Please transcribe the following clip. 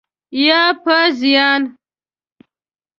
یا په زیان؟